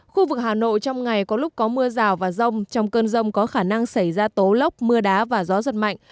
khu vực hà nội trong ngày có lúc có mưa rào và rông trong cơn rông có khả năng xảy ra tố lốc mưa đá và gió giật mạnh